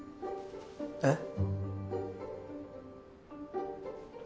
えっ？